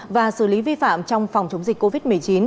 và xử lý vi phạm trong phòng chống dịch covid một mươi chín